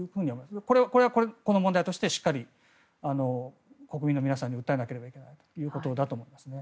これはこの問題としてしっかり国民の皆さんに訴えなければいけないということだと思いますね。